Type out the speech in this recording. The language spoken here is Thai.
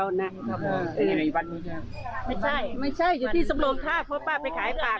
ไม่ใช่อยู่ที่สำรองทาบเพราะป้าไปขายปาก